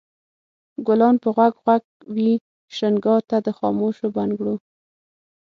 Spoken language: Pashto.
ګلان به غوږ غوږ وي شرنګا ته د خاموشو بنګړو